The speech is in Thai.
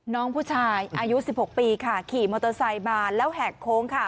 น้องผู้ชายอายุ๑๖ปีค่ะขี่มอเตอร์ไซค์มาแล้วแหกโค้งค่ะ